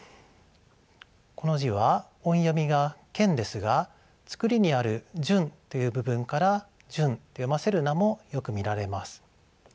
この字は音読みが「ケン」ですがつくりにある「旬」という部分から「ジュン」と読ませる名もよく見られます。